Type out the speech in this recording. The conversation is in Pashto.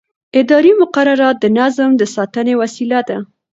اداري مقررات د نظم د ساتنې وسیله ده.